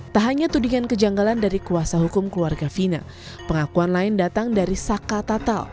tak hanya tudingan kejanggalan dari kuasa hukum keluarga fina pengakuan lain datang dari saka tatal